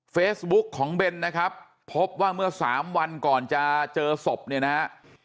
เฟซบุ๊กของเบนนะครับพบว่าเมื่อสามวันก่อนจะเจอศพเนี่ยนะฮะ